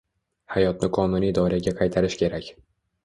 Hayotni qonuniy doiraga qaytarish kerak.